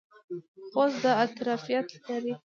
خوست دا ظرفیت لري.